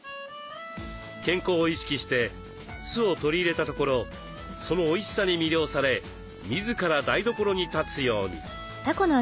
健康を意識して酢を取り入れたところそのおいしさに魅了され自ら台所に立つように。